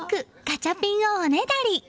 ガチャピンをおねだり。